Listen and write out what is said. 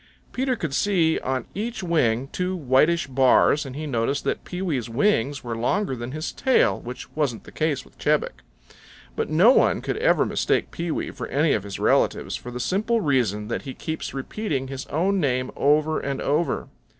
Peter could see on each wing two whitish bars, and he noticed that Pewee's wings were longer than his tail, which wasn't the case with Chebec. But no one could ever mistake Pewee for any of his relatives, for the simple reason that he keeps repeating his own name over and over.